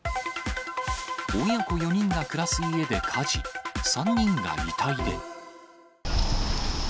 親子４人が暮らす家で火事、３人が遺体で。